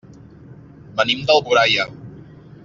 Venim d'Alboraia.